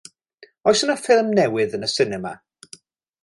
Oes yna ffilm newydd yn y sinema?